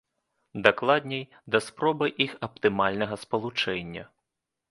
Дакладней, да спробы іх аптымальнага спалучэння.